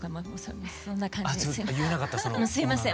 すみません。